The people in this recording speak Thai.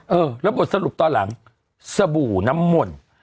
เออแล้วบทสรุปตอนหลังสบู่น้ำมนต์